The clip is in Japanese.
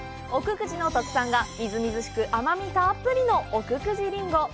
久慈の特産が、みずみずしく甘味たっぷりの「奥久慈りんご」。